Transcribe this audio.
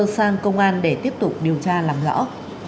sang công an để tiếp tục điều tra làm rõ